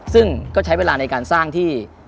ซึ่งก็ใช้เวลาในการสร้างที่